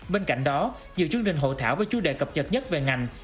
bên cạnh đó nhiều chương trình hộ thảo với chú đề cập nhật nhất về ngành